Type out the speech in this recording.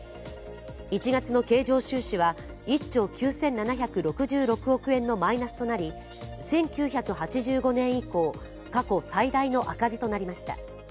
１月の経常収支は１兆９７６６億円のマイナスとなり、１９８５年以降、過去最大の赤字となりました。